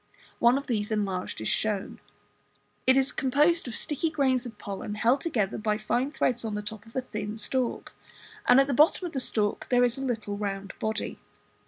One of these enlarged is shown. It is composed of sticky grains of pollen held together by fine threads on the top of a thin stalk; and at the bottom of the stalk there is a little round body.